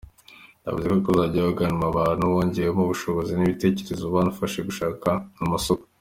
Yavuze ko hazajya hunganirwa abantu bongererwa ubushobozi n’ibitekerezo banafashwe gushaka amasoko.